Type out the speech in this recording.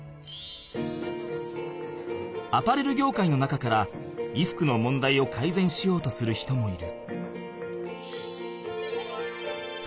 アパレル業界の中から衣服の問題をかいぜんしようとする人もいる。